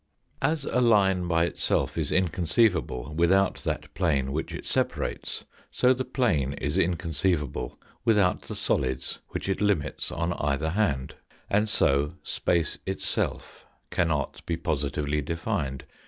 As a. line by itself is inconceivable without that plane 38 THE FOUKTH DIMENSION which it separates, so the plane is inconceivable without the solids which it limits on either hand. And so space itself cannot be positively defined.